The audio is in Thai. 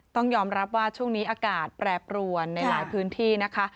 ต้องยอมรับว่าช่วงนี้อากาศแปรปรวนในหลายพื้นที่นะคะ